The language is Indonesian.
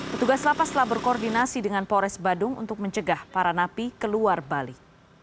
petugas lapas telah berkoordinasi dengan pores badung untuk mencegah para napi keluar bali